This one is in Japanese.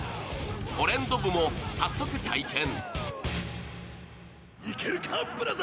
「トレンド部」も早速体験。